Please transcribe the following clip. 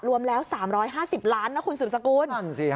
รวมแล้ว๓๕๐ล้านนะคุณสืบสกุล